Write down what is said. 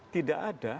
tidak ada faktanya